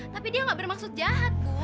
tapi dia gak bermaksud jahat bu